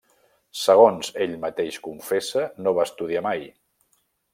Segons ell mateix confessa, no va estudiar mai.